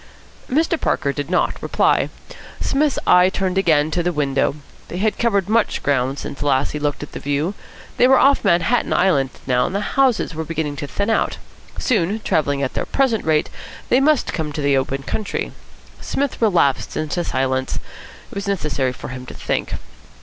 Mr. Parker did not reply. Psmith's eye turned again to the window. They had covered much ground since last he had looked at the view. They were off Manhattan Island now, and the houses were beginning to thin out. Soon, travelling at their present rate, they must come into the open country. Psmith relapsed into silence. It was necessary for him to think.